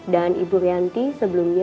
dan ibu rianti sebelumnya juga